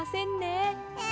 え